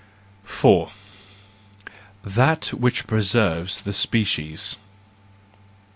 4 * That which Preserves the Species .